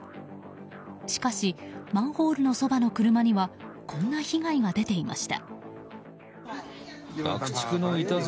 しかしマンホールのそばの車にはこんな被害が出ていました。